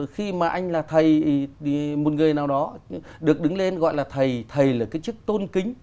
khi mà anh là một người nào đó được đứng lên gọi là thầy thầy là cái chức tôn kính